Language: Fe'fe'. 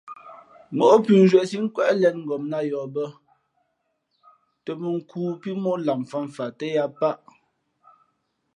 Móʼ pʉ̌nzhwīē síʼ nkwéʼ lěn ngopnāt yαα bᾱ tα mᾱ nkū pí móʼ lamfǎmfam tά lǎh paʼ.